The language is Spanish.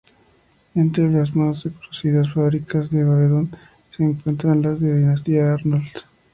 Entre las más reconocidas fábricas de bandoneón se encuentran las de la dinastía Arnold.